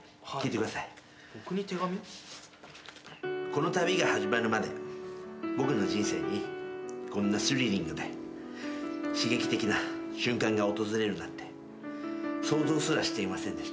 「この旅が始まるまで僕の人生にこんなスリリングで刺激的な瞬間が訪れるなんて想像すらしていませんでした」